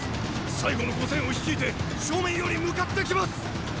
最後の五千を率いて正面より向かって来ます！